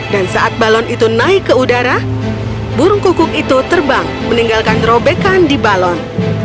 dan saat balon itu naik ke udara burung kukuk itu terbang meninggalkan robekan di balon